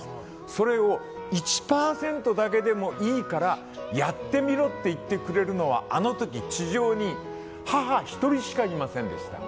それを１％だけでもいいからやってみろって言ってくれるのはあの時、地上に母１人しかいませんでした。